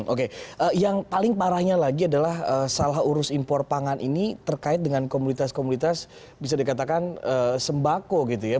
oke yang paling parahnya lagi adalah salah urus impor pangan ini terkait dengan komunitas komunitas bisa dikatakan sembako gitu ya